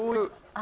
あ。